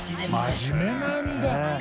真面目なんだ。